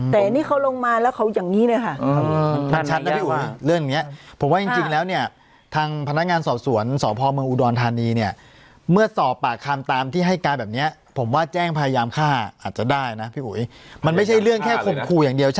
แต่นี่เขาลงมาแล้วเขาอย่างงี้เนี้ยฮะอืมชัดนะพี่อุ๋ยเรื่องอย่างเงี้ย